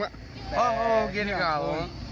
เอ้ากินตั้งแต่ครับ